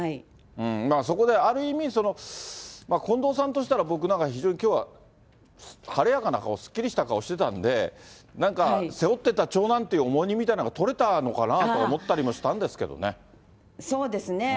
そこである意味、近藤さんとしたら、僕、なんか、きょうは晴れやかな顔、すっきりした顔してたんで、なんか背負ってた長男っていう重荷みたいのがとれたのかなとか思そうですね。